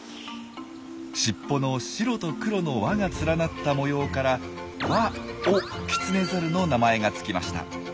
尻尾の白と黒の輪が連なった模様から輪尾キツネザルの名前がつきました。